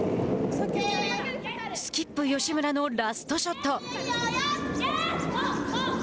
スキップ吉村のラストショット。